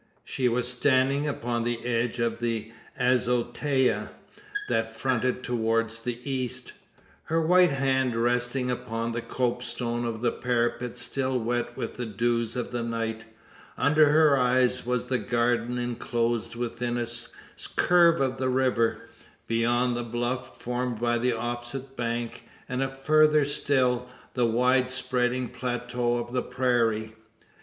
She was standing upon the edge of the azotea that fronted towards the east; her white hand resting upon the copestone of the parapet still wet with the dews of the night, under her eyes was the garden, enclosed within a curve of the river; beyond the bluff formed by the opposite bank; and further still, the wide spreading plateau of the prairie.